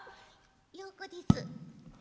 陽子です！